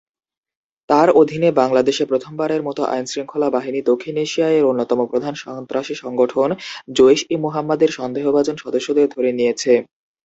তার অধীনে বাংলাদেশে প্রথমবারের মতো আইনশৃঙ্খলা বাহিনী দক্ষিণ এশিয়া এর অন্যতম প্রধান সন্ত্রাসী সংগঠন জইশ-ই-মুহাম্মদ এর সন্দেহভাজন সদস্যদের ধরে নিয়েছে।